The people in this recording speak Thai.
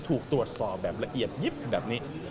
ถูกตรวจสอบแบบละเอียดยิบแบบนี้